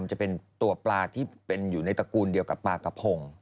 จะเป็นตัวปลาที่เป็นอยู่ในตระกูลเดียวกับปลากระพง